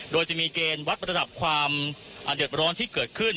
โดยจะมีเกณฑ์วัดระดับความเดือดร้อนที่เกิดขึ้น